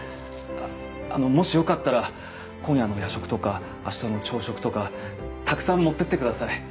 あのもしよかったら今夜の夜食とか明日の朝食とかたくさん持っていってください。